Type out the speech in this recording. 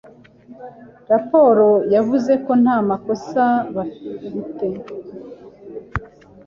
Raporo yavuze ko nta makosa bafite.